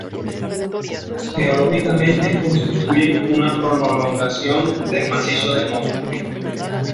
Geológicamente constituyen una prolongación del macizo de Montgrí.